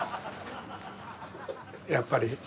やっぱり？